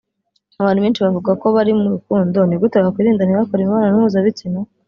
Abantu benshi bavuga ko bari mu rukundo ni gute bakwirinda ntibakore imibonano mpuzabitsina